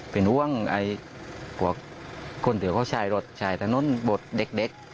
เป็นอ้วงไอหัวคนถือเขาใช้รถใช้ถนนบดเด็กเด็ก